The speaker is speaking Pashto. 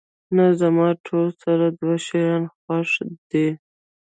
نه، زما ټول سره دوه شیان خوښ دي.